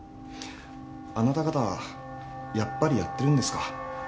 あなた方やっぱりやってるんですか？